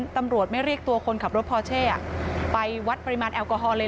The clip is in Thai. ตำรวจไม่เรียกตัวคนขับรถพอเช่ไปวัดปริมาณแอลกอฮอลเลย